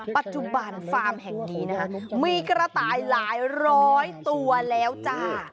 ปัจจุบันฟาร์มแห่งนี้นะคะมีกระต่ายหลายร้อยตัวแล้วจ้า